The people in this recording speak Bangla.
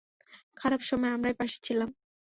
খারাপ সময়ে আমরাই পাশে ছিলাম।